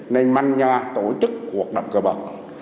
nền manh nhà tổ chức cuộc đọc cơ bạc